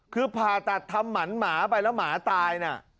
คือผ่าตัดทำหมันหมาไปแล้วหมาตายน่ะ